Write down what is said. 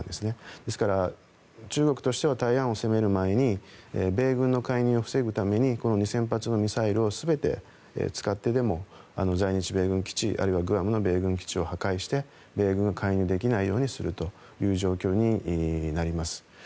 ですから、中国としては台湾を攻める前に米軍の介入を防ぐために２０００発のミサイルを全て使ってでも在日米軍基地あるいはグアムの米軍基地を破壊して米軍を介入できないようにするという状況になります。